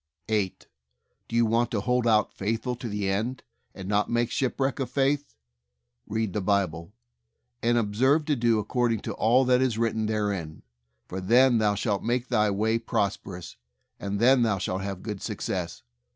8. Do you want to hold out faithful to the end, and not make shipwreck of faith? Read the Bible, and "observe to do accord ing to all that is written therein ; for then thou shalt make thy way prosperous, and then thou shalt have good success."